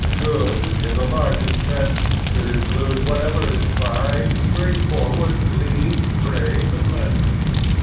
*'Good," in the largest sense, should include whatever is fine, straight forward, clean, brave, and manly.